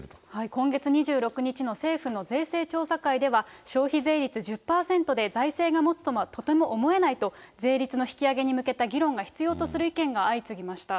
今月２６日の政府の税制調査会では、消費税率１０％で財政がもつとはとても思えないと、税率の引き上げに向けた議論が必要とする意見が相次ぎました。